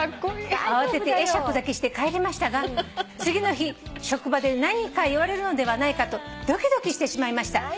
「慌てて会釈だけして帰りましたが次の日職場で何か言われるのではないかとドキドキしてしまいました。